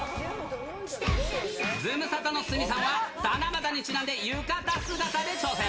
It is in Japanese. ズムサタの鷲見さんは、七夕にちなんで浴衣姿で挑戦。